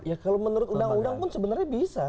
ya kalau menurut undang undang pun sebenarnya bisa